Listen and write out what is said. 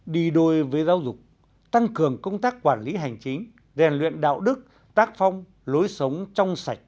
đi đôi với giáo dục tăng cường công tác quản lý hành chính rèn luyện đạo đức tác phong lối sống trong sạch